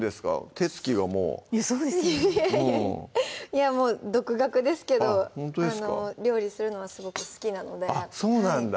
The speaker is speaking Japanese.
手つきがもうそうですよねいやもう独学ですけど料理するのはすごく好きなのであっそうなんだ